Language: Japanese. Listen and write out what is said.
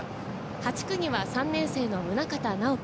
８区には３年生の宗像直輝。